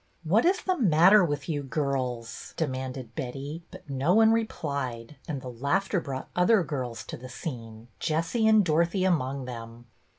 " What is the matter with you girls ?" demanded Betty ; but no one replied, and the laughter brought other girls to the scene, Jessie and Dorothy among them.